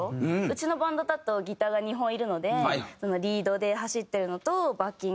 うちのバンドだとギターが２本いるのでリードで走ってるのとバッキングと。